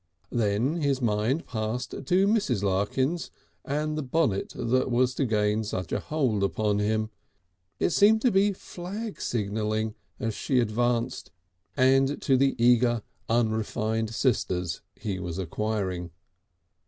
Then his mind passed to Mrs. Larkins and the bonnet that was to gain such a hold upon him; it seemed to be flag signalling as she advanced, and to the two eager, unrefined sisters he was acquiring.